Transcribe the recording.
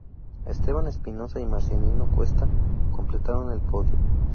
Esteban Espinosa y Marcelino Cuesta completaron el podio.